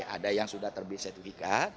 ada yang sudah terbit sertifikat